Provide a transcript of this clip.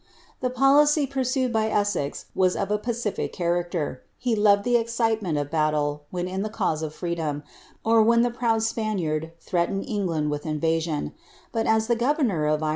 The policy pursued by Essex was of a pacific character. He loved the excitement of battle when in the cause of freedom, or when the {>roud Spaniard threatened England with invasion ; but, as the governor * Birch.